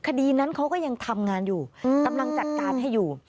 คดีนั้นเขาก็ยังทำงานอยู่กำลังจัดการให้อยู่